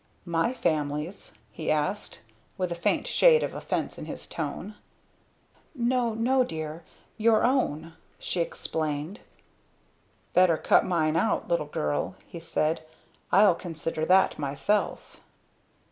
"My family's?" he asked, with a faint shade of offence in his tone. "No no dear your own," she explained. "Better cut mine out, Little Girl," he said. "I'll consider that myself."